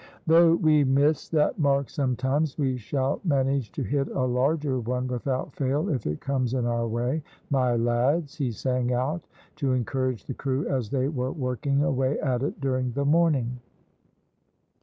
"Though we miss that mark sometimes, we shall manage to hit a larger one without fail if it comes in our way, my lads!" he sang out, to encourage the crew as they were working away at it during the morning.